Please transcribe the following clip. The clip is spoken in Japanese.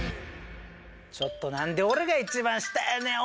ちょっと何で俺が一番下やねん！